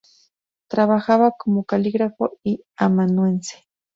Trabajaba como calígrafo y amanuense.